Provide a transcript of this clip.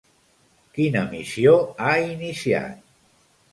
Quina missió ha iniciat?